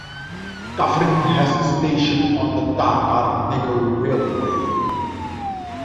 Kaffrine has a station on the Dakar-Niger Railway.